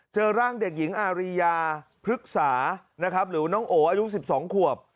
เจอร่างเด็กหญิงอาริยาพฤกษานะครับหรือน้องโออายุ๑๒ขวบ